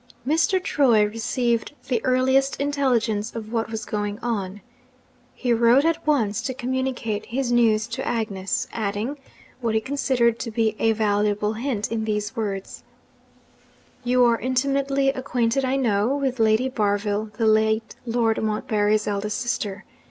Mr. Troy received the earliest intelligence of what was going on. He wrote at once to communicate his news to Agnes; adding, what he considered to be a valuable hint, in these words: 'You are intimately acquainted, I know, with Lady Barville, the late Lord Montbarry's eldest sister.